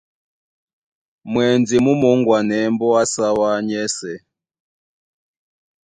Mwɛndi mú mōŋgwanɛɛ́ mbóa á sáwá nyɛ́sɛ̄.